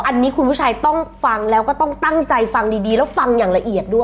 อันนี้คุณผู้ชายต้องฟังแล้วก็ต้องตั้งใจฟังดีแล้วฟังอย่างละเอียดด้วย